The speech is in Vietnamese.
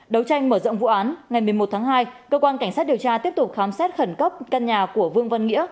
đấu tranh mở rộng vụ án ngày một mươi một tháng hai cơ quan cảnh sát điều tra tiếp tục khám xét khẩn cấp căn nhà của vương văn nghĩa